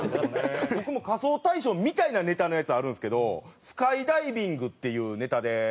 僕も『仮装大賞』みたいなネタのやつあるんですけど「スカイダイビング」っていうネタで。